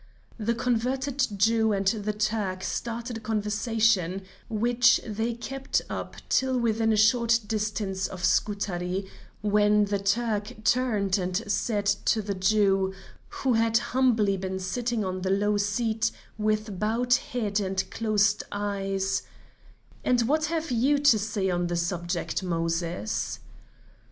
The converted Jew and the Turk started a conversation, which they kept up till within a short distance of Scutari, when the Turk turned and said to the Jew, who had humbly been sitting on the low seat with bowed head and closed eyes: "And what have you to say on the subject, Moses?"